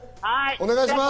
お願いします。